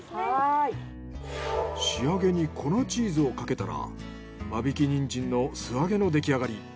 仕上げに粉チーズをかけたら間引きニンジンの素揚げのできあがり。